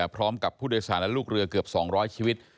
พร้อมกับผู้โดยสารและลูกเรือเกือบ๒๐๐ชีวิต